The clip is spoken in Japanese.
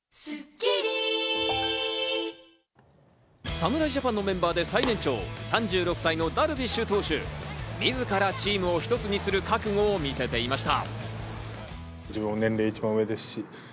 侍ジャパンのメンバーで最年長３６歳のダルビッシュ投手、自らチームを一つにする覚悟を見せていました。